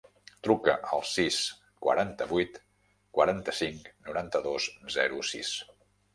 Truca al sis, quaranta-vuit, quaranta-cinc, noranta-dos, zero, sis.